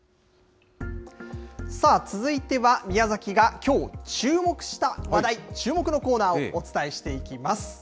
さあ、続いては、宮崎がきょう、注目した話題、チューモク！のコーナーをお伝えしていきます。